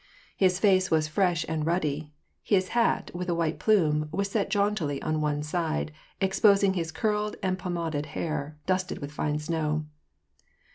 His face was fresh and ruddy : his hat, with a white plume, was set jauntily on one side, exposing his curled and pomaded hair, dusted with line snow.